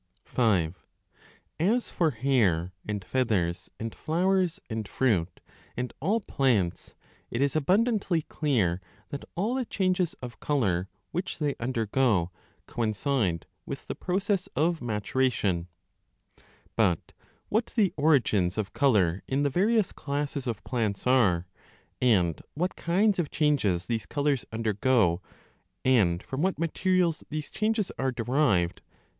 5 As for hair and feathers and flowers and fruit and all plants, it is abundantly clear that all the changes of colour which they undergo coincide with the process of maturation. But what the origins of colour in the various classes of 15 plants are, and what kinds of changes these colours undergo, and from what materials these changes are derived, and 1 794 a 3 2 Prantl s TU Xeu*a /, though possible, is unnecessary.